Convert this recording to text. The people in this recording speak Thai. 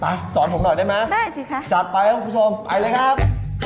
สอนผมหน่อยได้ไหมได้สิคะจัดไปครับคุณผู้ชมไปเลยครับ